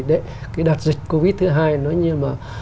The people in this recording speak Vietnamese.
cái đợt dịch covid thứ hai nó như mà